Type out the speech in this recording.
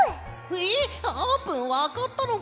えっあーぷんわかったのか？